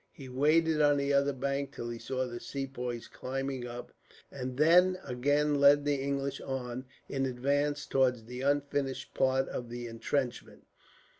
He waited on the other bank till he saw the Sepoys climbing up, and then again led the English on in advance towards the unfinished part of the entrenchment.